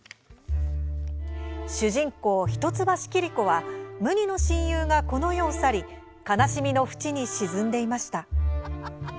主人公、一橋桐子は無二の親友がこの世を去り悲しみのふちに沈んでいました。